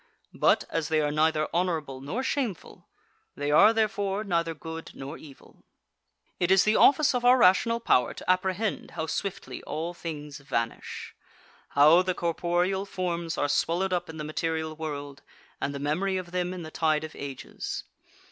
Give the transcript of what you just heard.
But, as they are neither honourable nor shameful, they are therefore neither good nor evil. 12. It is the office of our rational power to apprehend how swiftly all things vanish; how the corporeal forms are swallowed up in the material world, and the memory of them in the tide of ages.